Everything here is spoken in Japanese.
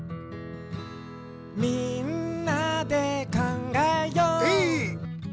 「みんなでかんがえよう」エー！